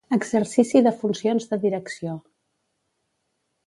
Exercici de funcions de direcció.